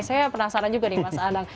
saya penasaran juga nih mas anang